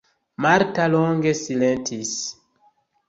Marta longe silentis.